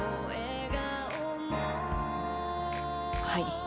はい。